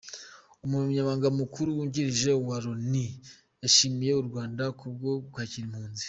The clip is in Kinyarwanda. Umunyamabanga Mukuru Wungirije wa Loni yashimiye u Rwanda kubwo kwakira impunzi